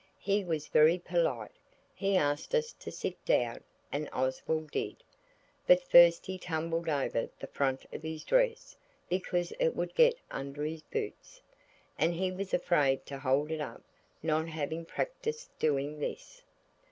He was very polite. He asked us to sit down, and Oswald did. But first he tumbled over the front of his dress because it would get under his boots, and he was afraid to hold it up, not having practised doing this.